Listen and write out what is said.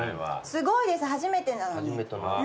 すごいです初めてなのに。